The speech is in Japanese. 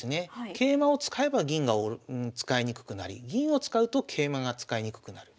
桂馬を使えば銀が使いにくくなり銀を使うと桂馬が使いにくくなる。